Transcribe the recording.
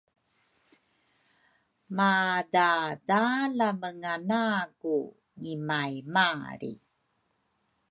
Madadalamenga naku ngimaimalri